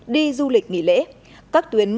đi du lịch nghỉ lễ các tuyến